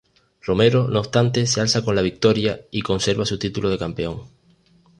Romero no obstante se alza con la victoria y conserva su título de campeón.